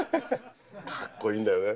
かっこいいんだよね。